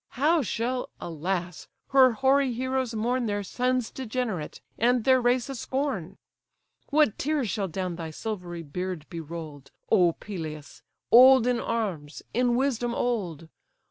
How shall, alas! her hoary heroes mourn Their sons degenerate, and their race a scorn! What tears shall down thy silvery beard be roll'd, O Peleus, old in arms, in wisdom old!